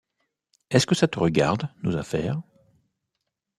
Est-ce que ça te regarde, nos affaires?